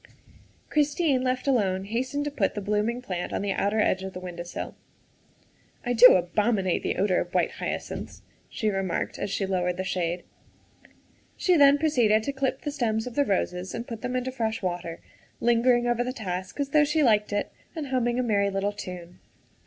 Christine, left alone, hastened to put the blooming plant on the outer edge of the window sill. " I do abominate the odor of white hyacinths," she remarked as she lowered the shade. She then proceeded to clip the stems of the roses and put them into fresh water, lingering over the task as though she liked it and humming a merry little tune.